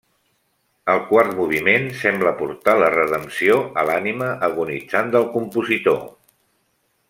El quart moviment sembla portar la redempció a l'ànima agonitzant del compositor.